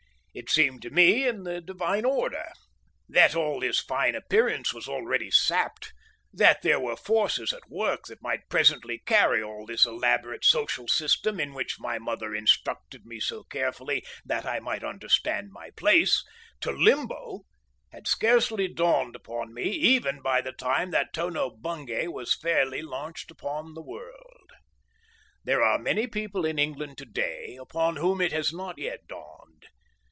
It seemed to be in the divine order. That all this fine appearance was already sapped, that there were forces at work that might presently carry all this elaborate social system in which my mother instructed me so carefully that I might understand my "place," to Limbo, had scarcely dawned upon me even by the time that Tono Bungay was fairly launched upon the world. There are many people in England to day upon whom it has not yet dawned.